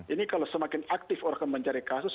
ini kalau semakin aktif orang akan mencari kasus